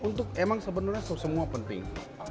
untuk emang sebenarnya semua penting